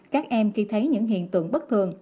các em khi thấy những hiện tượng bất thường